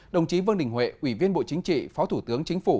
đồng chí vương đình huệ ủy viên bộ chính trị phó thủ tướng chính phủ